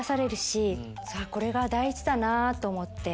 これが大事だなと思って。